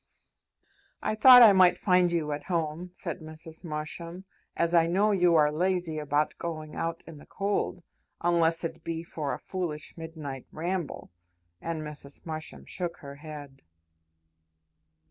"I thought I might find you at home," said Mrs. Marsham, "as I know you are lazy about going out in the cold, unless it be for a foolish midnight ramble," and Mrs. Marsham shook her head.